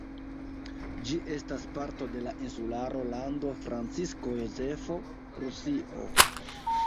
Ĝi estas parto de la insularo Lando Francisko Jozefo, Rusio.